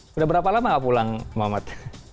sudah berapa lama gak pulang muhammad